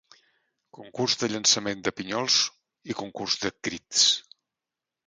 Concurs de llançament de pinyols i Concurs de Crits.